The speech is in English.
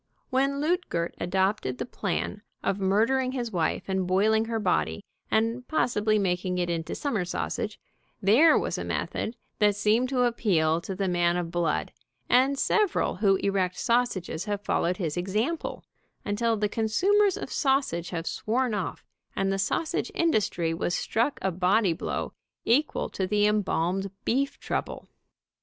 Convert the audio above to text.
When Luetgert adopted the plan of murdering his wife and boiling her body and possibly making it into summer sausage, there was a method that seemed to appeal to the man of blood, and several who erect sausages have followed his example, until the con sumers of sausage have sworn off, and the sausage industry was struck a body blow equal to the em balmed beef trouble.